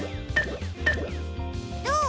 どう？